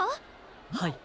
はい。